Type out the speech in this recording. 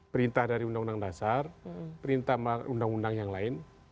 perintah dari undang undang dasar perintah undang undang yang lain